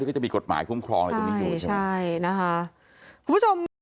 ที่ก็จะมีกฎหมายคุ้มครองอยู่ตรงนี้อยู่ใช่ไหม